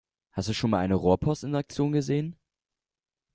Hast du schon mal eine Rohrpost in Aktion gesehen?